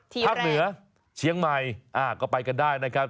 ภาคเหนือเชียงใหม่ก็ไปกันได้นะครับ